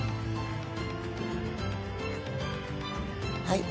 はい。